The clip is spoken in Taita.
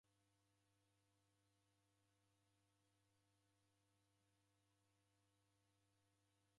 Ninekenyi vindo nimoni nije nazughwa.